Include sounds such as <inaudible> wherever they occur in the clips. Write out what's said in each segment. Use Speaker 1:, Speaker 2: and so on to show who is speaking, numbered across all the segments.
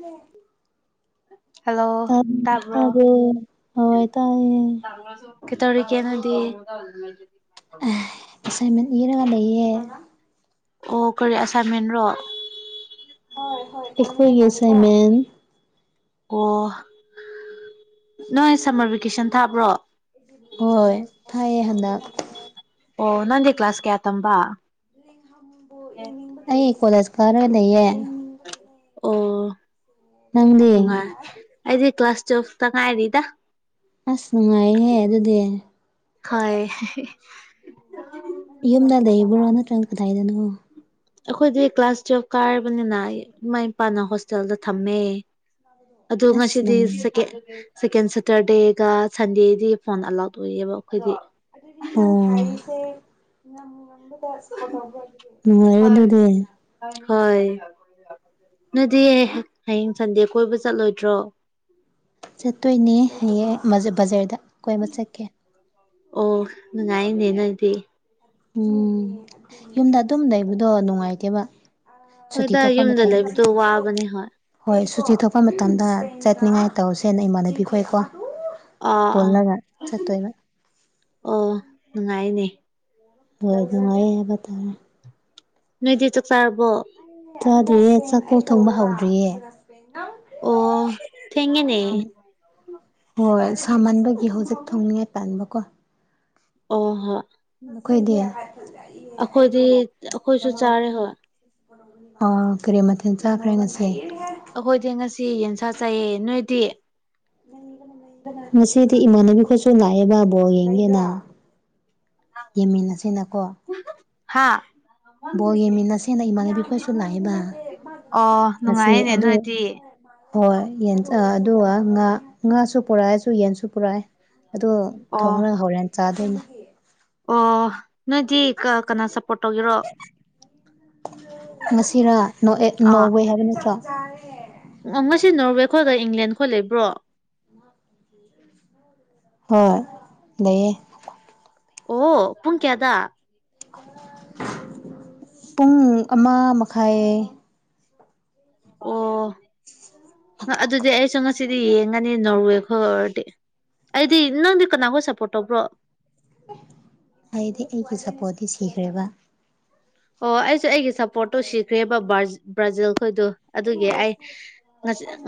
Speaker 1: ꯃꯥ ꯇꯝ ꯇꯥꯕ꯭ꯔꯣ ꯍꯣꯏ ꯇꯥꯏꯌꯦ
Speaker 2: ꯐꯪꯉꯁꯨ ꯀꯩꯇꯧꯔꯤꯒꯦ ꯅꯣꯏꯗꯤ
Speaker 1: ꯑꯦꯁꯥꯏꯟꯃꯦꯟ ꯏꯔꯒ ꯂꯩꯌꯦ꯫
Speaker 2: ꯑꯣ ꯀꯔꯤ ꯑꯁꯥꯏꯟꯃꯦꯟꯔꯣ
Speaker 1: ꯍꫭꯏ ꯍꫭꯏ ꯑꯩꯈꫭꯏꯒꯤ ꯑꯦꯁꯥꯏꯟꯃꯦꯟ
Speaker 2: ꯑꯣ ꯅꯣꯏ ꯁꯝꯃꯔ ꯚꯦꯀꯦꯁꯟ ꯊꯥꯕ꯭ꯔꯣ
Speaker 1: ꯍꯣꯏ ꯊꯥꯏꯌꯦ ꯍꯟꯗꯛ
Speaker 2: ꯑꯣ ꯅꯪꯗꯤ ꯀ꯭ꯂꯥꯁ ꯀꯌꯥ ꯇꯝꯕ
Speaker 1: ꯅꯤꯡꯊꯥꯝꯕꯨ ꯌꯦꯡꯅꯤꯡꯕ ꯂꯩ ꯑꯩ ꯀꯣꯂꯦꯖ ꯀꯔꯥ ꯂꯩꯌꯦ ꯌꯦꯡꯅꯤꯡꯕꯒꯤꯅꯦ
Speaker 2: ꯑꯣ
Speaker 1: ꯅꯪꯗꯤ
Speaker 2: ꯅꯨꯡꯉꯥꯏ ꯑꯩꯗꯤ ꯀ꯭ꯂꯥꯁ ꯇ꯭ꯋꯦꯜꯐ ꯇ ꯉꯥꯏꯔꯤꯗ
Speaker 1: ꯑꯁ ꯅꯨꯡꯉꯥꯏꯍꯦ ꯑꯗꯨꯗꯤ
Speaker 2: ꯍꯣꯏ
Speaker 1: ꯌꯨꯝꯗ ꯂꯩꯕ꯭ꯔꯣ ꯅꯠꯇ꯭ꯔꯒ ꯀꯗꯥꯏꯗꯅꯣ
Speaker 2: ꯑꯈꯣꯏꯗꯤ ꯀ꯭ꯂꯥꯁ ꯇꯨꯋꯦꯜꯐ ꯀꯥꯔꯕꯅꯤꯅ ꯏꯃꯥ ꯏꯄꯥꯅ ꯍꯣꯁꯇꯦꯜꯗ ꯊꯝꯃꯦ ꯑꯗꯨ
Speaker 1: ꯑꯁ
Speaker 2: ꯉꯁꯤꯗꯤ
Speaker 1: ꯅꯨꯡꯉꯥꯏ
Speaker 2: ꯁꯦꯀꯦ ꯁꯦꯀꯦꯟ ꯁꯇꯔꯗꯦꯒ ꯁꯟꯗꯦꯗꯤ ꯐꯣꯟ ꯑꯦꯂꯥꯎꯠ ꯑꯣꯏꯌꯦꯕ ꯑꯈꯣꯏꯗꯤ
Speaker 1: ꯑꯣ ꯅꯨꯡꯉꯥꯏꯔꯦ ꯑꯗꯨꯗꯤ
Speaker 2: ꯍꯣꯏ ꯅꯣꯏꯗꯤ ꯍꯌꯦꯡ ꯁꯟꯗꯦ ꯀꯣꯏꯕ ꯆꯠꯂꯣꯏꯗ꯭ꯔꯣ
Speaker 1: ꯆꯠꯇꯣꯏꯅꯦ ꯍꯌꯦ ꯃ ꯕꯖꯔꯗ ꯀꯣꯏꯕ ꯆꯠꯀꯦ
Speaker 2: ꯑꯣ ꯅꯨꯡꯉꯥꯏꯅꯦ ꯅꯣꯏꯗꯤ
Speaker 1: ꯎꯝ ꯌꯨꯝꯗ ꯑꯗꯨꯝ ꯂꯩꯕꯗꯣ ꯅꯨꯡꯉꯥꯏꯇꯦꯕ ꯁꯨꯇꯤ
Speaker 2: ꯍꯣꯏꯗ
Speaker 1: ꯊꯣꯛꯄ
Speaker 2: ꯌꯨꯝꯗ
Speaker 1: ꯃꯇꯝ
Speaker 2: ꯂꯩꯕꯗꯣ ꯋꯥꯕꯅꯦ ꯍꯣꯏ
Speaker 1: ꯍꯣꯏ ꯁꯨꯇꯤ ꯊꯣꯛꯄ ꯃꯇꯝꯗ ꯆꯠꯅꯤꯉꯥꯏ ꯇꯧꯁꯦꯅ ꯏꯃꯥꯟꯅꯕꯤ ꯈꯣꯏꯀꯣ
Speaker 2: ꯑꯥ ꯑ
Speaker 1: ꯄꯨꯜꯂꯒ ꯆꯠꯇꯣꯏꯕ
Speaker 2: ꯑꯣ ꯅꯨꯡꯉꯥꯏꯅꯦ
Speaker 1: ꯋꯣꯏ ꯅꯨꯡꯉꯥꯏꯌꯦ ꯍꯥꯏꯕ ꯇꯥꯔꯦ
Speaker 2: ꯅꯣꯏꯗꯤ ꯆꯥꯛ ꯆꯥꯔꯕꯣ
Speaker 1: ꯆꯥꯗ꯭ꯔꯤꯌꯦ ꯆꯥꯛꯐꯥꯎ ꯊꯣꯡꯕ ꯍꯧꯗ꯭ꯔꯤꯌꯦ
Speaker 2: ꯑꯣ ꯊꯦꯡꯉꯦꯅꯦ
Speaker 1: ꯍꯣꯏ ꯁꯥꯃꯟꯕꯒꯤ ꯍꯣꯖꯤꯛ ꯊꯣꯡꯉꯦ ꯇꯟꯕ ꯀꯣ
Speaker 2: ꯑꯣ ꯍꯥ
Speaker 1: ꯃꯈꯣꯏꯗꯤ
Speaker 2: ꯑꯈꯣꯏꯗꯤ ꯑꯈꯣꯏꯁꯨ ꯆꯥꯔꯦ ꯍꯣꯏ
Speaker 1: ꯑꯥ ꯀꯔꯤ ꯃꯊꯦꯟ ꯆꯥꯈ꯭ꯔꯦ ꯉꯁꯤ
Speaker 2: ꯑꯈꯣꯏꯗꯤ ꯉꯁꯤ ꯌꯦꯟꯁꯥ ꯆꯥꯏꯌꯦ ꯅꯣꯏꯗꯤ
Speaker 1: ꯉꯁꯤꯗꯤ ꯏꯃꯥꯟꯅꯕꯤ ꯈꯣꯏ ꯇꯨꯝ ꯂꯥꯛꯑꯦꯕ ꯕꯣꯜ ꯌꯦꯡꯒꯦꯅ ꯌꯦꯡꯃꯤꯟꯅꯁꯦꯅꯀꯣ
Speaker 2: ꯍꯥꯥ
Speaker 1: ꯕꯣꯜ ꯌꯦꯡꯃꯤꯟꯅꯁꯦꯅ ꯏꯃꯥꯟꯅꯕꯤ ꯈꯣꯏꯁꯨ ꯂꯥꯛꯑꯦꯕ
Speaker 2: ꯑꯣ
Speaker 1: ꯉꯁꯤ
Speaker 2: ꯅꯨꯡꯉꯥꯏꯌꯦꯅꯦ
Speaker 1: ꯑꯗꯨ
Speaker 2: ꯅꯣꯏꯗꯤ
Speaker 1: ꯍꯣꯏ ꯌꯦꯟ ꯑꯥ ꯑꯗꯨꯒ ꯉꯥ ꯉꯥꯁꯨ ꯄꯨꯔꯛꯑꯁꯨ ꯌꯦꯟꯁꯨ ꯄꯨꯔꯑꯦ ꯑꯗꯣ
Speaker 2: ꯑꯣ
Speaker 1: ꯊꯣꯡꯔꯒ ꯍꯣꯔꯦꯟ ꯆꯥꯗꯣꯏꯅꯤ
Speaker 2: ꯑꯣ ꯅꯣꯏꯗꯤ ꯀ ꯀꯅꯥ ꯁꯄꯣꯔꯠ ꯇꯧꯒꯦꯔꯣ
Speaker 1: ꯉꯁꯤꯔꯥ ꯅꯣ ꯑꯦ
Speaker 2: ꯑꯥ
Speaker 1: ꯅꯣꯔꯋꯦ ꯍꯥꯏꯕ ꯅꯠꯇ꯭ꯔꯣ
Speaker 2: ꯉꯁꯤ ꯅꯣꯔꯋꯦ ꯈꯣꯏꯒ ꯏꯪꯂꯦꯜ ꯈꯣꯏ ꯂꯩꯕ꯭ꯔꯣ
Speaker 1: <inaudible> ꯍꯣꯏ ꯂꯩꯌꯦ
Speaker 2: ꯑꯣ ꯄꯨꯡ ꯀꯌꯥꯗ
Speaker 1: ꯄꯨꯡ ꯑꯃ ꯃꯈꯥꯏ
Speaker 2: ꯑꯣ ꯍ ꯑꯗꯨꯗꯤ ꯑꯩꯁꯨ ꯑꯃ ꯁꯤꯗꯤ ꯌꯦꯡꯉꯅꯤ ꯅꯣꯔꯋꯦ ꯈꯣꯏ ꯑꯣꯏꯔꯗꯤ ꯑꯩꯗꯤ ꯅꯪꯗꯤ ꯀꯅꯥꯕꯨ ꯁꯄꯣꯠ ꯇꯧꯕ꯭ꯔꯣ
Speaker 1: ꯑꯩꯗꯤ ꯑꯩꯒꯤ ꯁꯄꯣꯔꯠꯇꯤ ꯁꯤꯈ꯭ꯔꯦꯕ
Speaker 2: ꯑꯣ ꯑꯩꯁꯨ ꯑꯩꯒꯤ ꯁꯄꯣꯠꯇꯣ ꯁꯤꯈ꯭ꯔꯦꯕ ꯕ꯭ꯔꯥꯖꯤꯜꯈꯣꯏꯗꯣ ꯑꯗꯨꯒꯤ ꯑꯩ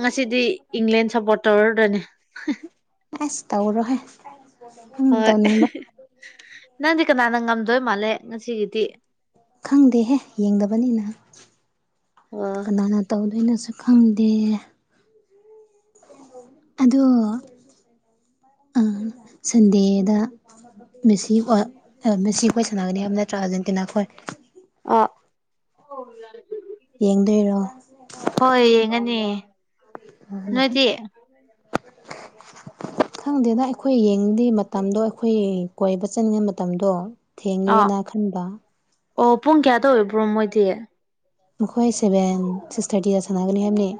Speaker 2: ꯉꯁꯤꯗꯤ ꯏꯪꯂꯦꯟ ꯁꯄꯣꯠ ꯇꯧꯔꯗꯣꯏꯅꯦ
Speaker 1: ꯑꯥꯁ ꯇꯧꯔꯣꯍꯦ ꯅꯪ
Speaker 2: ꯍꯣꯏ ꯑꯍꯦ
Speaker 1: ꯇꯧꯅꯤꯡꯕ
Speaker 2: ꯍꯦ ꯅꯪꯗꯤ ꯀꯅꯥꯅ ꯉꯝꯗꯣꯏ ꯃꯥꯜꯂꯦ ꯉꯁꯤꯒꯤꯗꯤ
Speaker 1: ꯈꯪꯗꯦꯍꯦ ꯌꯦꯡꯗꯕꯅꯤꯅ
Speaker 2: ꯑꯣ
Speaker 1: ꯀꯅꯥꯅ ꯇꯧꯗꯣꯏꯅꯣꯁꯨ ꯈꯪꯗꯦ ꯑꯗꯣ ꯑ ꯁꯟꯗꯦꯗ ꯃꯦꯁꯤ ꯍꯣꯏ ꯃꯦꯁꯤ ꯈꯣꯏ ꯁꯥꯟꯅꯒꯅꯤ ꯍꯥꯏꯕ ꯅꯠꯇ꯭ꯔꯥ ꯑꯔꯖꯦꯟꯇꯤꯅ ꯈꯣꯏ
Speaker 2: ꯑꯥ ꯑꯣ ꯌꯥꯔꯦ ꯑꯗꯨꯗꯤ
Speaker 1: ꯌꯦꯡꯗꯣꯏꯔꯣ
Speaker 2: ꯍꯣꯏ ꯌꯦꯡꯉꯅꯤ ꯅꯣꯏꯗꯤ <inaudible>
Speaker 1: ꯈꯪꯗꯦꯗ ꯑꯩꯈꯣꯏ ꯌꯦꯡꯗꯦ ꯃꯇꯝꯗꯣ ꯑꯩꯈꯣꯏ ꯀꯣꯏꯕ ꯆꯠꯅꯤꯉꯩ ꯃꯇꯝꯗꯣ
Speaker 2: ꯑꯥ
Speaker 1: ꯊꯦꯡꯒ꯭ꯔꯦꯅ ꯈꯟꯕ
Speaker 2: ꯑꯣ ꯄꯨꯡ ꯀꯌꯥꯗ ꯑꯣꯏꯕ꯭ꯔꯣ ꯃꯣꯏꯗꯤ
Speaker 1: ꯃꯈꯣꯏ ꯁꯦꯚꯦꯟ ꯁꯤꯛꯁ ꯊꯥꯔꯇꯤꯗ ꯁꯅꯒꯅꯤ ꯍꯥꯏꯕꯅꯦ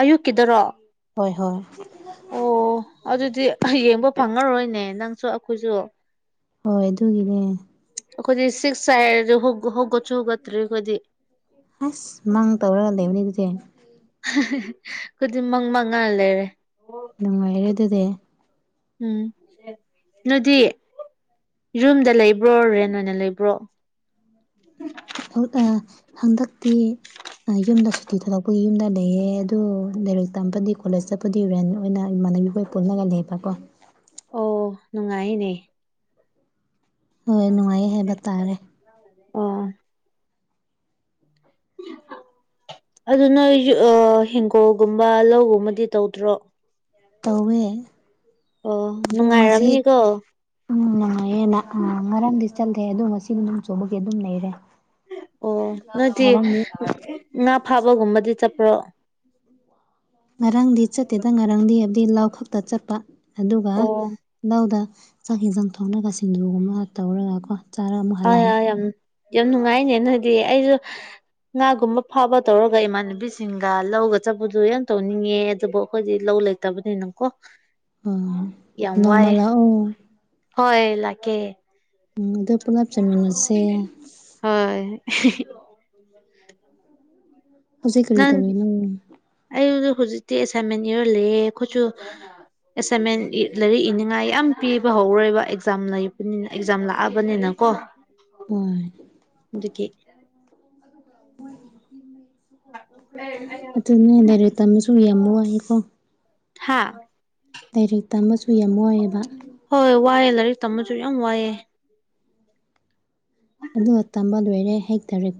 Speaker 2: ꯑꯌꯨꯛꯀꯤꯗꯔꯣ
Speaker 1: ꯍꯣꯏ ꯍꯣꯏ
Speaker 2: ꯑꯣ ꯑꯗꯨꯗꯤ ꯌꯦꯡꯕ ꯐꯪꯉꯔꯣꯏꯅꯦ ꯅꯪꯁꯨ ꯑꯩꯈꯣꯏꯁꯨ
Speaker 1: ꯍꯣꯏ ꯑꯗꯨꯒꯤꯅꯦ
Speaker 2: ꯑꯈꯣꯏꯗꯤ ꯁꯤꯛꯁ ꯍꯥꯏꯔꯖꯨ ꯍꯧ ꯍꯧꯒꯠꯁꯨ ꯍꯧꯒꯠꯇ꯭ꯔꯤ ꯑꯩꯈꯣꯏꯗꯤ
Speaker 1: ꯑꯁ ꯃꯪ ꯇꯧꯔꯒ ꯂꯩꯕꯅꯦ ꯑꯗꯨꯗꯤ
Speaker 2: ꯈꯣꯏꯗꯤ ꯃꯪ ꯃꯪꯉꯒ ꯂꯩꯔꯦ
Speaker 1: ꯅꯨꯡꯉꯥꯏꯔꯦ ꯑꯗꯨꯗꯤ
Speaker 2: ꯎꯝ ꯅꯣꯏꯗꯤ ꯌꯨꯝꯗ ꯂꯩꯕ꯭ꯔꯣ ꯔꯦꯟ ꯑꯣꯏꯅ ꯂꯩꯕ꯭ꯔꯣ
Speaker 1: ꯍꯧ ꯑꯥ ꯍꯟꯗꯛꯇꯤ ꯌꯨꯝꯗ ꯁꯨꯇꯤ ꯊꯣꯛꯂꯛꯄꯒꯤ ꯌꯨꯝꯗ ꯂꯩꯌꯦ ꯑꯗꯨ ꯂꯥꯏꯔꯤꯛ ꯇꯝꯕꯗꯤ ꯀꯣꯂꯦꯖ ꯆꯠꯄꯗꯤ ꯔꯦꯟ ꯑꯣꯏꯅ ꯏꯃꯥꯟꯅꯕꯤ ꯈꯣꯏ ꯄꯨꯜꯂꯒ ꯂꯩꯕꯀꯣ
Speaker 2: ꯑꯣ ꯅꯨꯡꯉꯥꯏꯌꯦꯅꯦ
Speaker 1: ꯍꯣꯏ ꯅꯨꯡꯉꯥꯏꯌꯦ ꯍꯥꯏꯕ ꯇꯥꯔꯦ
Speaker 2: ꯑꯣ ꯑꯗꯨ ꯅꯣꯏ ꯑꯥ ꯍꯤꯡꯒꯣꯜꯒꯨꯝꯕ ꯂꯧꯒꯨꯝꯕꯗꯤ ꯇꯧꯗ꯭ꯔꯣ
Speaker 1: ꯇꯧꯋꯦ
Speaker 2: ꯑꯣ
Speaker 1: ꯑꯗꯣ ꯉꯁꯤ
Speaker 2: ꯅꯨꯡꯉꯥꯏꯔꯝꯅꯤꯀꯣ
Speaker 1: ꯎꯝ ꯅꯨꯡꯉꯥꯏꯌꯦꯅ ꯑꯥ ꯉꯔꯥꯡꯗꯤ ꯆꯠꯂꯦ ꯑꯗꯨ ꯉꯁꯤ ꯅꯣꯡ ꯆꯨꯕꯒꯤ ꯑꯗꯨꯝ ꯂꯩꯔꯦ
Speaker 2: ꯑꯣ ꯅꯣꯏꯗꯤ
Speaker 1: ꯉꯔꯥꯡꯗꯤ
Speaker 2: ꯉꯥ ꯐꯥꯕꯒꯨꯝꯕꯗꯤ ꯆꯠꯄ꯭ꯔꯣ
Speaker 1: ꯉꯔꯥꯡꯗꯤ ꯆꯠꯇꯦꯗ ꯉꯔꯥꯡꯗꯤ ꯍꯥꯏꯕꯗꯤ ꯂꯧ ꯈꯛꯇ ꯆꯠꯄ ꯑꯗꯨꯒ
Speaker 2: ꯑꯣ
Speaker 1: ꯂꯧꯗ ꯆꯥꯛ ꯏꯟꯖꯥꯡ ꯊꯣꯡꯂꯒ ꯁꯤꯡꯖꯨꯒꯨꯝꯕ ꯇꯧꯔꯒ ꯀꯣ
Speaker 2: ꯑꯌꯥ ꯌꯥ ꯌꯥꯝ ꯌꯥꯝ ꯅꯨꯡꯉꯥꯏꯅꯦ ꯅꯣꯏꯗꯤ ꯑꯩꯖꯨ ꯉꯥꯒꯨꯝꯕ ꯐꯥꯕ ꯇꯧꯔꯒ ꯏꯃꯥꯟꯅꯕꯤꯁꯤꯡꯒ ꯂꯧꯒ ꯆꯠꯄꯗꯨ ꯌꯥꯝ ꯇꯧꯅꯤꯡꯉꯦ ꯑꯗꯨꯕꯨ ꯑꯩꯈꯣꯏꯗꯤ ꯂꯧ ꯂꯩ ꯇꯕꯅꯤꯅꯀꯣ
Speaker 1: ꯎꯝ
Speaker 2: ꯌꯥꯝ
Speaker 1: ꯅꯣꯡꯃ
Speaker 2: ꯋꯥꯏꯌꯦ
Speaker 1: ꯂꯥꯛꯑꯣ
Speaker 2: ꯍꯣꯏ ꯂꯥꯛꯀꯦ
Speaker 1: ꯎꯝ ꯑꯗꯨ ꯄꯨꯂꯞ ꯆꯥꯃꯤꯟꯅ
Speaker 2: ꯍꯣꯏ
Speaker 1: ꯍꯧꯖꯤꯛ ꯀꯔꯤ ꯇꯧꯋꯤꯅꯣ
Speaker 2: ꯑꯩꯖꯨ ꯍꯧꯖꯤꯛꯇꯤ ꯑꯦꯁꯥꯏꯟꯃꯦꯟ ꯏꯔ ꯂꯩꯌꯦ ꯑꯩꯈꯣꯏꯁꯨ ꯑꯦꯁꯥꯏꯟꯃꯦꯟ ꯂꯥꯏꯔꯤꯛ ꯏꯅꯤꯡꯉꯥꯏ ꯌꯥꯝ ꯄꯤꯕ ꯍꯧꯔꯦꯕ ꯑꯦꯛꯖꯥꯝ ꯂꯩꯕꯅꯤꯅ ꯑꯦꯛꯖꯥꯝ ꯂꯥꯛꯑꯕꯅꯤꯅꯀꯣ
Speaker 1: ꯑꯣ
Speaker 2: ꯑꯗꯨꯒꯤ
Speaker 1: ꯑꯗꯨꯅꯦ ꯂꯥꯏꯔꯤꯛ ꯇꯝꯕꯁꯨꯨ ꯌꯥꯝ ꯋꯥꯏꯌꯦꯀꯣ
Speaker 2: ꯍꯥꯥ
Speaker 1: ꯂꯥꯏꯔꯤꯛ ꯇꯝꯕꯁꯨ ꯌꯥꯝ ꯋꯥꯏꯌꯦꯕ
Speaker 2: ꯍꯣꯏ ꯋꯥꯏꯌꯦ ꯂꯥꯏꯔꯤꯛ ꯇꯝꯕꯁꯨ ꯌꯥꯝ ꯋꯥꯏꯌꯦ
Speaker 1: ꯑꯗꯨꯒ ꯇꯝꯕ ꯂꯣꯏꯔꯦ ꯍꯦꯛ ꯂꯥꯏꯔꯤꯛ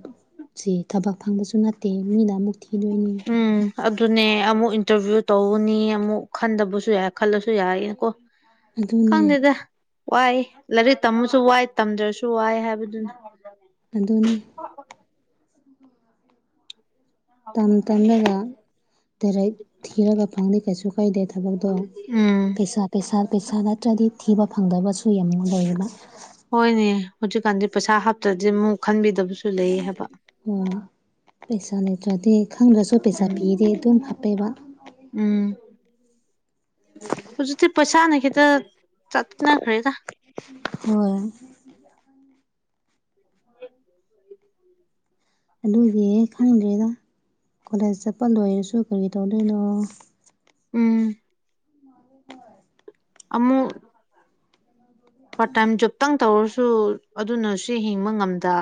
Speaker 1: ꯁꯤ ꯊꯕꯛ ꯐꯪꯕꯁꯨ ꯅꯠꯇꯦ ꯃꯤꯅ ꯑꯃꯨꯛ ꯊꯤꯗꯣꯢꯅꯤ꯫
Speaker 2: ꯎꯝ ꯑꯗꯨꯅꯦ ꯑꯃꯨꯛ ꯏꯟꯇꯔꯚꯤꯌꯨ ꯇꯧꯅꯤ ꯑꯃꯨꯛ ꯈꯟꯗꯕꯁꯨ ꯌꯥꯢ ꯈꯜꯂꯁꯨ ꯌꯥꯢꯌꯦꯅ ꯀꯣ꯫
Speaker 1: ꯑꯗꯨꯅꯦ
Speaker 2: ꯈꯪꯗꯦꯗ ꯋꯥꯢ ꯂꯥꯢꯔꯤꯛ ꯇꯝꯃꯁꯨ ꯋꯥꯢ ꯇꯝꯗ꯭ꯔꯁꯨ ꯋꯥꯢ ꯍꯥꯢꯕꯗꯨꯅꯤ꯫
Speaker 1: ꯑꯗꯨꯅꯤ ꯇꯝ ꯇꯝꯂꯒ ꯗꯥꯢꯔꯦꯛ ꯊꯤꯔꯒ ꯐꯪꯗꯦ ꯀꯩꯁꯨ ꯈꯣꯢꯗꯤ ꯊꯕꯛꯇꯣ
Speaker 2: ꯎꯝ
Speaker 1: ꯄꯩꯁꯥ ꯄꯩꯁꯥ ꯄꯩꯁꯥ ꯅꯠꯇ꯭ꯔꯗꯤ ꯊꯤꯕ ꯐꯪꯗꯕꯁꯨ ꯌꯥꯝ ꯂꯩꯌꯦꯕ
Speaker 2: ꯍꯣꯏꯅꯦ ꯍꯧꯖꯤꯛꯀꯥꯟꯗꯤ ꯄꯩꯁꯥ ꯍꯥꯞꯇ꯭ꯔꯗꯤ ꯑꯃꯨꯛ ꯈꯟꯕꯤꯗꯕꯁꯨ ꯂꯩ ꯍꯥꯏꯕ
Speaker 1: ꯑꯣ ꯄꯩꯁꯥ ꯂꯩꯇ꯭ꯔꯗꯤ ꯈꯪꯗ꯭ꯔꯁꯨ ꯄꯩꯁꯥ
Speaker 2: ꯎꯝ
Speaker 1: ꯄꯤꯔꯦ ꯑꯗꯨꯝ ꯍꯥꯞꯄꯦꯕ
Speaker 2: ꯎꯝ ꯍꯧꯖꯤꯛꯇꯤ ꯄꯩꯁꯥꯅ ꯈꯤꯇ ꯆꯠꯅꯈ꯭ꯔꯦꯗ
Speaker 1: ꯍꯣꯏ
Speaker 2: <inaudible> <inaudible>
Speaker 1: ꯑꯗꯨꯒꯤ ꯈꯪꯗ꯭ꯔꯦꯗ ꯀꯣꯂꯦꯖ ꯆꯠꯄ ꯂꯣꯏꯔꯁꯨ ꯀꯔꯤ ꯇꯧꯗꯣꯏꯅꯣ
Speaker 2: ꯎꯝ
Speaker 1: <inaudible>
Speaker 2: ꯑꯃꯨꯛ ꯄꯥꯔꯠ ꯇꯥꯏꯝ ꯖꯣꯕꯇꯪ ꯇꯧꯔꯁꯨ ꯑꯗꯨꯅ ꯁꯨ ꯍꯤꯡꯕ ꯉꯝꯗ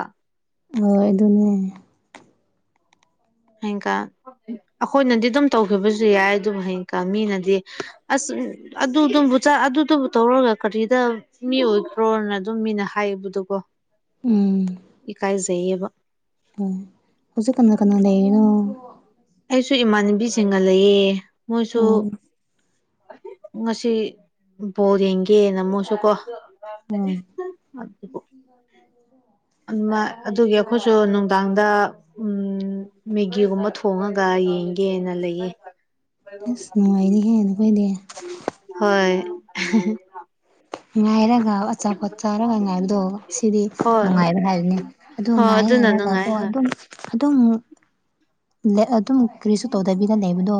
Speaker 1: ꯍꯣꯏ ꯑꯗꯨꯅꯦ
Speaker 2: ꯍꯌꯦꯡꯀ ꯑꯩꯈꯣꯏꯅꯗꯤ ꯑꯗꯨꯝ ꯇꯧꯈꯤꯕꯁꯨ ꯌꯥꯏ ꯑꯗꯨꯕꯨ ꯍꯌꯦꯡꯀ ꯃꯤꯅꯗꯤ ꯑꯁ ꯑꯗꯨꯗꯨꯝꯕꯨ ꯆ ꯑꯗꯨꯗꯕꯨ ꯇꯧꯔꯒ ꯀꯔꯤꯗ ꯃꯤ ꯑꯣꯏꯕ꯭ꯔꯣꯅ ꯑꯗꯨꯝ ꯃꯤꯅ ꯍꯥꯏꯌꯦꯕꯗꯣꯀꯣ
Speaker 1: ꯎꯝ ꯍꯨꯡ ꯍꯧꯖꯤꯛ ꯀꯅꯥ ꯀꯅꯥ ꯂꯩꯔꯤꯅꯣ
Speaker 2: ꯑꯩꯁꯨ ꯏꯃꯥꯟꯅꯕꯤꯁꯤꯡꯒ ꯂꯩꯌꯦ ꯃꯣꯏꯁꯨ
Speaker 1: ꯑꯣ
Speaker 2: ꯉꯁꯤ ꯕꯣꯜ ꯌꯦꯡꯒꯦ ꯌꯦꯅ ꯃꯨꯁꯨ ꯀꯣ
Speaker 1: ꯑꯣ <inaudible>
Speaker 2: ꯃꯥ ꯑꯗꯨꯒꯤ ꯑꯩꯈꯣꯏꯁꯨ ꯅꯨꯡꯗꯥꯡꯗ ꯎꯝ ꯃꯦꯒꯤꯒꯨꯝꯕ ꯊꯣꯡꯉꯒ ꯌꯦꯡꯒꯦꯅ ꯂꯩꯌꯦ
Speaker 1: ꯑꯁ ꯅꯨꯡꯉꯥꯏꯅꯤꯍꯦ ꯅꯈꯣꯏꯗꯤ
Speaker 2: ꯍꯣꯏ ꯑꯍꯍ
Speaker 1: ꯉꯥꯏꯔꯒ ꯑꯆꯥꯄꯣꯠ ꯆꯥꯔꯒ ꯉꯥꯏꯕꯗꯣ ꯁꯤꯗꯤ
Speaker 2: ꯍꯣꯏ
Speaker 1: ꯅꯨꯡꯉꯥꯏꯕ ꯍꯥꯏꯕꯅꯤ ꯑꯗꯣ
Speaker 2: ꯍꯣꯏ
Speaker 1: ꯉꯥꯏ
Speaker 2: ꯑꯗꯨꯅ
Speaker 1: ꯍꯥꯏꯔꯒꯀꯣ
Speaker 2: ꯅꯨꯡꯉꯥꯏ ꯍꯣꯏ
Speaker 1: ꯑꯗꯨ ꯑꯗꯨꯝ ꯑꯗꯨꯝ ꯀꯔꯤꯁꯨ ꯇꯧꯗꯕꯤꯗ ꯂꯩꯕꯗꯣ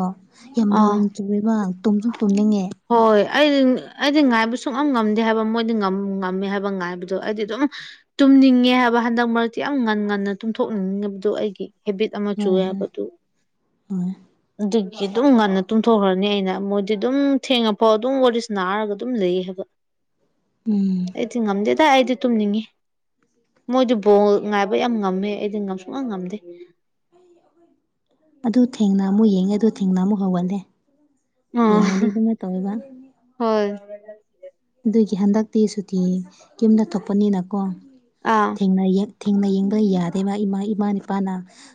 Speaker 1: ꯌꯥꯝ
Speaker 2: ꯑꯥ
Speaker 1: ꯕꯣꯔꯤꯡ <unintelligible> ꯇꯨꯝꯁꯨ ꯇꯨꯝꯅꯤꯡꯉꯦ
Speaker 2: ꯍꯣꯏ ꯑꯩꯗꯤ ꯑꯩꯗꯤ ꯉꯥꯏꯕ ꯁꯨꯡꯉꯝ ꯉꯝꯗꯦ ꯍꯥꯏꯕ ꯃꯣꯏꯗꯤ ꯉꯝꯃꯦ ꯍꯥꯏꯕ ꯉꯥꯏꯕꯗꯣ ꯑꯩꯗꯤ ꯑꯗꯨꯝ ꯇꯨꯝꯅꯤꯡꯉꯦ ꯍꯥꯏꯕ ꯍꯟꯗꯛ ꯃꯔꯛꯇꯤ ꯌꯥꯝ ꯉꯟꯅ ꯉꯟꯅ ꯇꯨꯝꯊꯣꯛꯅꯤꯡꯅꯤꯡꯕꯗꯣ ꯑꯩꯒꯤ ꯍꯦꯕꯤꯠ ꯑꯃ
Speaker 1: ꯍꯣꯏ
Speaker 2: ꯆꯨꯌꯦ
Speaker 1: ꯍꯣꯏ
Speaker 2: ꯍꯥꯏꯕꯗꯨ
Speaker 1: ꯍꯣꯏ
Speaker 2: ꯑꯗꯨꯒꯤ ꯑꯗꯨꯝ ꯉꯟꯅ ꯇꯨꯝꯊꯣꯛꯈ꯭ꯔꯅꯤ ꯑꯩꯅ ꯃꯣꯏꯗꯤ ꯑꯗꯨꯝ ꯊꯦꯡꯉꯐꯥꯎ ꯑꯗꯨꯝ ꯋꯥꯔꯤ ꯁꯥꯅꯥꯔꯒ ꯑꯗꯨꯝ ꯂꯩꯌꯦ ꯍꯥꯏꯕ
Speaker 1: ꯎꯝ
Speaker 2: ꯑꯩꯗꯤ ꯉꯝꯗꯦꯗ ꯑꯩꯗꯤ ꯇꯨꯝꯅꯤꯡꯉꯤ ꯃꯣꯏꯗꯤ ꯕꯣꯜ ꯉꯥꯏꯕ ꯌꯥꯝ ꯉꯝꯃꯦ ꯑꯩꯗꯤ ꯉꯨꯡꯉꯝ ꯉꯝꯗꯦ
Speaker 1: ꯑꯗꯨ ꯊꯦꯡꯅ ꯑꯃꯨꯛ ꯌꯦꯡꯉꯦ ꯑꯗꯨ ꯊꯦꯡꯅ ꯑꯃꯨꯛ ꯍꯧꯒꯠꯂꯦ
Speaker 2: ꯑ
Speaker 1: ꯌꯦꯡꯉꯗꯤ ꯑꯗꯨꯃꯥꯏꯅ ꯇꯧꯋꯦꯕ
Speaker 2: ꯍ ꯍꯣꯏ
Speaker 1: ꯑꯗꯨꯒꯤ ꯍꯟꯗꯛꯇꯤ ꯁꯨꯇꯤ ꯌꯨꯝꯗ ꯊꯣꯛꯄꯅꯤꯅꯀꯣ
Speaker 2: ꯑꯥ
Speaker 1: ꯊꯦꯡꯅꯩꯌꯦ ꯊꯦꯡꯅꯌꯦꯡꯕ ꯌꯥꯗꯦꯕ ꯏꯃꯥ ꯏꯄꯥꯅ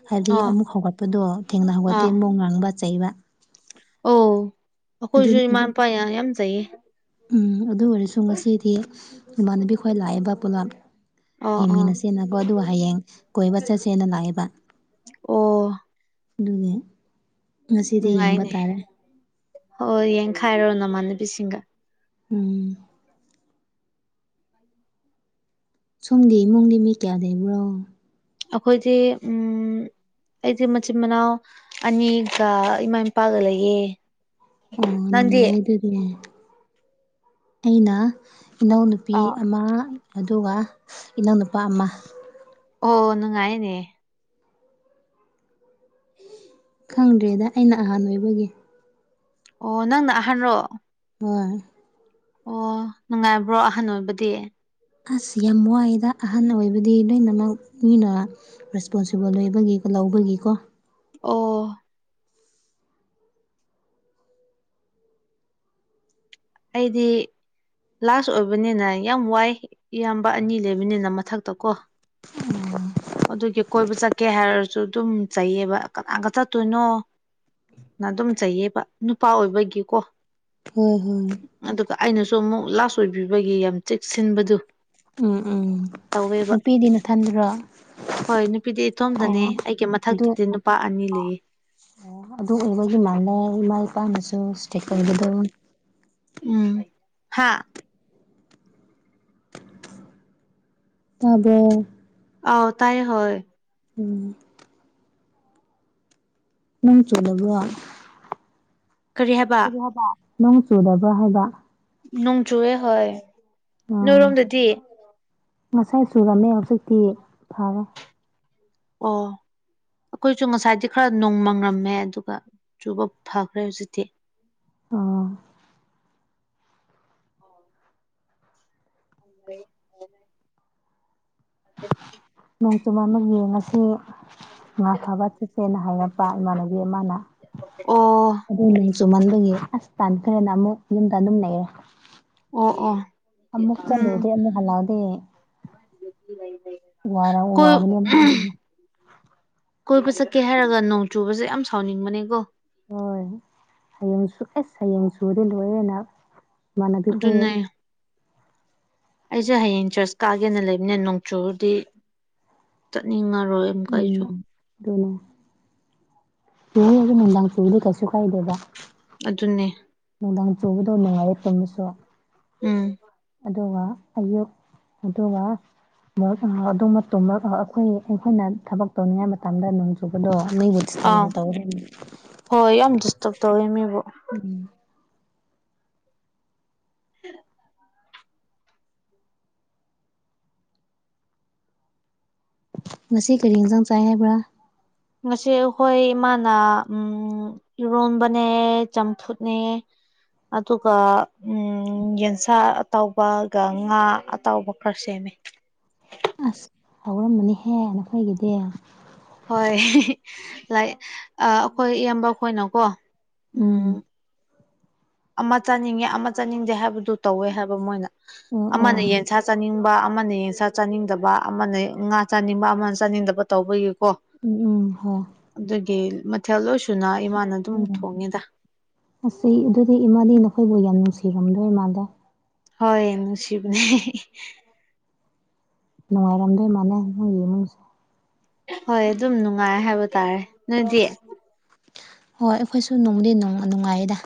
Speaker 1: ꯍꯥꯏꯕꯗꯤ
Speaker 2: ꯑꯥ
Speaker 1: ꯑꯃꯨꯛ ꯍꯧꯒꯠꯄꯗꯣ ꯊꯦꯡꯅ ꯍꯧꯒꯠꯇꯦ
Speaker 2: ꯑꯥ
Speaker 1: ꯑꯃꯨꯛ ꯉꯥꯡꯕ ꯆꯩꯕ
Speaker 2: ꯑꯣ
Speaker 1: ꯑꯗꯨ
Speaker 2: ꯑꯩꯈꯣꯏꯁꯖꯨ ꯏꯃꯥ ꯏꯄꯥ ꯌꯥꯝ ꯌꯥꯝꯆꯩꯌꯦ
Speaker 1: ꯎꯝ ꯑꯗꯨ ꯑꯣꯏꯔꯁꯨ ꯉꯁꯤꯗꯤ ꯏꯃꯥꯟꯅꯕꯤ ꯈꯣꯏ ꯂꯥꯛꯏꯕ ꯄꯨꯂꯞ
Speaker 2: ꯑꯣ ꯑꯣ
Speaker 1: ꯌꯦꯡꯃꯤꯟꯅꯁꯦꯟꯅꯀꯣ ꯑꯗꯨꯒ ꯍꯌꯦꯡ ꯀꯣꯏꯕ ꯆꯠꯁꯦꯅ ꯂꯥꯛꯑꯦꯕ
Speaker 2: ꯑꯣ
Speaker 1: ꯑꯗꯨꯅꯦ
Speaker 2: ꯅꯨꯡꯉꯥꯏꯅꯦ ꯍꯣꯏ ꯌꯦꯡꯈꯥꯏꯔꯣ ꯅꯃꯥꯟꯅꯕꯤꯁꯤꯡꯒ
Speaker 1: ꯎꯝ ꯁꯣꯝꯒꯤ ꯏꯃꯨꯡꯗꯤ ꯃꯤ ꯀꯌꯥ ꯂꯩꯕ꯭ꯔꯣ꯫
Speaker 2: ꯑꯈꯣꯢꯗꯤ ꯎꯝ ꯑꯩꯗꯤ ꯃꯆꯤꯟ ꯃꯅꯥꯎ ꯑꯅꯤꯒ ꯏꯃꯥ ꯏꯄꯥꯒ ꯂꯩꯌꯦ꯫
Speaker 1: ꯑꯣ
Speaker 2: ꯅꯪꯗꯤ
Speaker 1: ꯅꯨꯡꯉꯥꯏꯌꯦ ꯑꯗꯨꯗꯤ ꯑꯩꯅ ꯏꯅꯥꯎꯅꯨꯄꯤ
Speaker 2: ꯑꯥ
Speaker 1: ꯑꯃ ꯑꯗꯨꯒ ꯏꯅꯥꯎꯅꯨꯄꯥ ꯑꯃ꯫
Speaker 2: ꯑꯣ ꯅꯨꯡꯉꯥꯢꯌꯦꯅꯦ꯫
Speaker 1: ꯈꯪꯗ꯭ꯔꯦꯗ ꯑꯩꯅ ꯑꯍꯟ ꯑꯣꯢꯕꯒꯤ꯫
Speaker 2: ꯑꯣ ꯅꯪꯅ ꯑꯍꯟꯔꯣ꯫
Speaker 1: ꯍꯣꯢ
Speaker 2: ꯑꯣ ꯅꯨꯡꯉꯥꯢꯕ꯭ꯔꯣ ꯑꯍꯟ ꯑꯣꯢꯕꯗꯤ꯫
Speaker 1: ꯑꯁ ꯌꯥꯝ ꯋꯥꯢꯗ ꯑꯍꯟ ꯑꯣꯢꯕꯗꯤ ꯂꯣꯢꯅꯃꯛ ꯃꯤꯅ ꯔꯦꯁꯄꯣꯟꯁꯤꯕꯜ ꯑꯣꯢꯕꯒꯤ ꯂꯧꯕꯒꯤꯀꯣ
Speaker 2: ꯑꯣ ꯑꯩꯗꯤ ꯂꯥꯁ ꯑꯣꯢꯕꯅꯤꯅ ꯌꯥꯝ ꯋꯥꯢ ꯏꯌꯥꯝꯕ ꯑꯅꯤ ꯂꯩꯕꯅꯤꯅ ꯃꯊꯛꯇ ꯀꯣ꯫ ꯑꯗꯨꯒꯤ ꯀꯣꯢꯕ ꯆꯠꯀꯦ ꯍꯥꯢꯔꯖꯨ ꯑꯗꯨꯝ ꯆꯩꯌꯦꯕ ꯀꯅꯥꯒ ꯆꯠꯇꯣꯢꯅꯣ ꯅ ꯑꯗꯨꯝ ꯆꯩꯌꯦꯕ ꯅꯨꯄꯥ ꯑꯣꯢꯕꯒꯤꯀꯣ꯫
Speaker 1: ꯎꯝ ꯍꯝ
Speaker 2: ꯑꯗꯨꯒ ꯑꯩꯅꯁꯨ ꯑꯃꯨꯛ ꯂꯥꯁ ꯑꯣꯢꯕꯤꯕꯒꯤ ꯌꯥꯝ ꯆꯦꯛꯁꯤꯟꯕꯗꯨ꯫
Speaker 1: ꯎꯝ ꯎꯝ ꯅꯨꯄꯤꯗꯤ ꯅꯊꯟꯗꯔꯣ꯫
Speaker 2: ꯍꯣꯢ ꯅꯨꯄꯤꯗꯤ ꯏꯇꯣꯝꯗꯅꯦ ꯑꯩꯒꯤ ꯃꯊꯛꯇꯗꯤ ꯅꯨꯄꯥ ꯑꯅꯤ ꯂꯩꯌꯦ꯫
Speaker 1: ꯑꯣ ꯑꯗꯨꯒꯨꯝꯕꯒꯤ ꯃꯥꯟꯕ ꯏꯃꯥ ꯏꯄꯥꯅꯁꯨ ꯁ꯭ꯇꯔꯤꯛ ꯑꯣꯢꯕꯗꯣ꯫
Speaker 2: ꯎꯝ ꯍꯥꯥ
Speaker 1: ꯇꯥꯕ꯭ꯔꯣ꯫
Speaker 2: ꯑꯧ ꯇꯥꯢꯌꯦ ꯍꯧꯋꯦ
Speaker 1: ꯎꯝ ꯅꫭꯡ ꯆꯨꯗꯕ꯭ꯔꯣ
Speaker 2: ꯀꯔꯤ ꯍꯥꯢꯕ꯫
Speaker 1: ꯅꯣꯡ ꯆꯨꯗꯕ꯭ꯔꯥ ꯍꯥꯢꯕ
Speaker 2: ꯅꯣꯡꯆꯨꯋꯦ ꯍꯣꯢ ꯅꯣꯢꯔꯣꯝꯗꯗꯤ꯫
Speaker 1: ꯉꯁꯥꯢ ꯆꯨꯔꯝꯃꯦ ꯍꯧꯖꯤꯛꯇꯤ ꯐꯔꯦ꯫
Speaker 2: ꯑꯣ ꯑꯩꯈꯣꯢꯁꯨ ꯉꯁꯥꯢꯗꯤ ꯈꯔ ꯅꯣꯡ ꯃꯪꯉꯔꯝꯃꯦ ꯑꯗꯨꯒ ꯆꯨꯕ ꯐꯈ꯭ꯔꯦ ꯍꯧꯖꯤꯛꯇꯤ꯫
Speaker 1: ꯑꯣ
Speaker 2: <inaudible> <inaudible>
Speaker 1: ꯅꯣꯡ ꯆꯨꯃꯝꯕꯒꯤ ꯉꯁꯤ ꯉꯥ ꯐꯥꯕ ꯆꯠꯁꯦꯅ ꯍꯥꯢꯔꯄ ꯏꯃꯥꯟꯅꯕꯤ
Speaker 2: ꯑꯣ
Speaker 1: ꯑꯗꯨ ꯆꯨꯃꯟꯕꯒꯤ ꯑꯁ ꯇꯥꯟꯈ꯭ꯔꯦꯅ ꯑꯃꯨꯛ ꯌꯨꯝꯗ ꯑꯗꯨꯝ ꯂꯩꯔꯦ꯫
Speaker 2: ꯑꯣ ꯑꯣ
Speaker 1: ꯑꯃꯨꯛ
Speaker 2: ꯎꯝ
Speaker 1: <unintelligible> ꯋꯥꯔ
Speaker 2: ꯀꯣꯏ
Speaker 1: ꯋꯥꯒꯅꯤ ꯑꯗꯨꯒꯤ
Speaker 2: ꯀꯣꯢꯕ ꯆꯠꯀꯦ ꯍꯥꯢꯔꯒ ꯅꯣꯡ ꯆꯨꯕꯁꯦ ꯌꯥꯝ ꯁꯥꯎꯅꯤꯡꯕꯅꯦꯀꯣ꯫
Speaker 1: ꯍꯣꯢ ꯍꯌꯦꯡꯁꯨ ꯑꯁ ꯍꯌꯦꯡ ꯆꯨꯔꯗꯤ ꯂꯣꯢꯔꯦꯅ꯫
Speaker 2: ꯑꯗꯨꯅꯦ ꯑꯩꯁꯦ ꯍꯌꯦꯡ ꯆꯔꯆ ꯀꯥꯒꯦꯅ ꯂꯩꯕꯅꯦ ꯅꯣꯡꯆꯨꯔꯗꯤ ꯆꯠꯅꯤꯡꯉꯔꯣꯢ꯫ ꯀꯩꯁꯨ
Speaker 1: ꯎꯝ ꯑꯗꯨꯅꯦ ꯄꯨ ꯑꯗꯨ ꯅꯨꯃꯤꯗꯥꯡ ꯆꯨꯔꯤꯗꯤ ꯀꯩꯁꯨ ꯀꯥꯏꯗꯦꯕ
Speaker 2: ꯑꯗꯨꯅꯦ
Speaker 1: ꯅꯨꯡꯗꯥꯡ ꯆꯨꯕꯗꯣ ꯅꯨꯡꯉꯥꯏꯌꯦ ꯄꯨꯝꯕꯁꯨ
Speaker 2: ꯎꯝ
Speaker 1: ꯑꯗꯨꯒ ꯑꯌꯨꯛ ꯑꯗꯨꯒ ꯑꯗꯨ ꯑꯩꯈꯣꯏ ꯑꯩꯈꯣꯏꯅ ꯊꯕꯛ ꯇꯧꯅꯤꯡꯉꯥꯏ ꯃꯇꯝꯗ ꯅꯣꯡ ꯆꯨꯕꯗꯣ ꯃꯤꯒꯤ
Speaker 2: ꯑꯥ ꯍꯣꯏ ꯌꯥꯝ ꯗꯤꯁꯇꯔꯕ ꯇꯧꯋꯦ ꯃꯤꯕꯨ
Speaker 1: ꯎꯝ
Speaker 2: <inaudible>
Speaker 1: ꯉꯁꯤ ꯀꯔꯤ ꯏꯟꯁꯥꯡ ꯆꯥꯏ ꯍꯥꯏꯕ꯭ꯔꯥ
Speaker 2: ꯉꯁꯤ ꯑꯩꯈꯣꯏ ꯏꯃꯥꯅ ꯎꯝ ꯏꯔꯣꯟꯕꯅꯦ ꯆꯝꯐꯨꯠꯅꯦ ꯑꯗꯨꯒ ꯌꯦꯟꯁꯥ ꯑꯇꯥꯎꯕꯒ ꯉꯥ ꯑꯇꯥꯎꯕ ꯈꯔ ꯁꯦꯝꯃꯦ
Speaker 1: ꯑꯁ ꯍꯧꯔꯝꯕꯅꯤꯍꯦ ꯅꯈꯣꯏꯒꯤꯗꯤ
Speaker 2: ꯍꯣꯏ ꯂꯥꯏ ꯑ ꯑꯩꯈꯣꯏ ꯏꯕꯈꯣꯏꯅꯣꯀꯣ ꯎꯝ ꯑꯃ ꯆꯥꯅꯤꯡꯉꯦ ꯑꯃ ꯆꯥꯅꯤꯡꯗꯦ ꯍꯥꯏꯕꯗꯨ ꯇꯧꯋꯦ ꯍꯥꯏꯕ ꯃꯣꯏꯅ
Speaker 1: ꯑꯣ
Speaker 2: ꯑꯃꯅ
Speaker 1: ꯑꯣ
Speaker 2: ꯌꯦ ꯁꯥ ꯆꯥꯅꯤꯡꯕ ꯑꯃꯅ ꯌꯦꯟꯁꯥ ꯆꯥꯅꯤꯡꯗꯕ ꯑꯃꯅ ꯉꯥ ꯆꯥꯅꯤꯡꯕ ꯑꯃꯅ ꯆꯥꯅꯤꯡꯗꯕ ꯇꯧꯕꯒꯤꯀꯣ
Speaker 1: ꯎꯝ ꯎꯝ ꯍꯣꯏ
Speaker 2: ꯑꯗꯨꯒꯤ ꯃꯊꯦꯜ ꯑꯣꯏꯁꯨꯅ ꯏꯃꯥꯅ ꯑꯗꯨꯝ ꯊꯣꯡꯉꯤꯗ
Speaker 1: ꯑꯁꯤ ꯑꯗꯨꯗꯤ ꯏꯃꯥꯗꯤ ꯅꯈꯣꯏꯕꯨ ꯌꯥꯝ ꯅꯨꯡꯁꯤꯔꯝꯗꯣꯏ ꯃꯥꯂꯦ
Speaker 2: ꯍꯣꯏ ꯅꯨꯡꯁꯤꯕꯅꯦ
Speaker 1: ꯅꯨꯡꯉꯥꯏꯔꯝꯗꯣꯏ ꯃꯥꯜꯂꯦ ꯅꯣꯏ ꯏꯃꯨꯡꯁꯦ
Speaker 2: ꯍꯣꯏ ꯑꯗꯨꯝ ꯅꯨꯡꯉꯥꯏ ꯍꯥꯏꯕ ꯇꯥꯔꯦ ꯅꯣꯏꯗꯤ
Speaker 1: ꯍꯣꯏ ꯑꯩꯈꯣꯏꯁꯨ ꯅꯨꯡꯗꯤ ꯅꯨꯡꯉꯥꯏꯗ